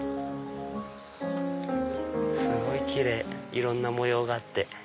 すごいキレイいろんな模様があって。